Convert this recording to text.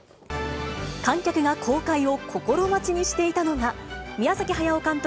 観客が公開を心待ちにしていたのは、宮崎駿監督